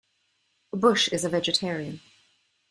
Bush is a vegetarian.